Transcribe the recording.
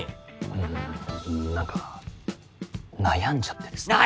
うん何か悩んじゃってですね。